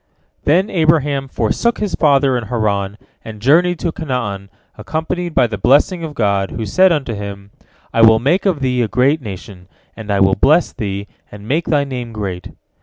" Then Abraham forsook his father in Haran, and journeyed to Canaan, accompanied by the blessing of God, who said unto him, "I will make of thee a great nation, and I will bless thee, and make thy name great."